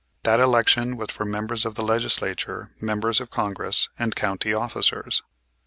That election was for members of the Legislature, members of Congress and county officers.